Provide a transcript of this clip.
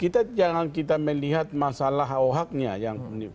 kita jangan kita melihat masalah ohaknya